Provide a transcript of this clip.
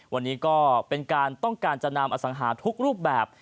วันนี้ก็เป็นการต้องการจะนำอสังหาทุกรูปแบบ